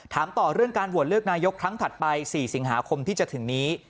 ถามต่อเรื่องการโหวตเลือกนายกครั้งถัดไป๔สิงหาคมที่จะถึงนี้